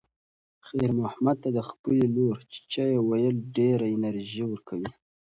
خیر محمد ته د خپلې لور "چیچیه" ویل ډېره انرژي ورکوي.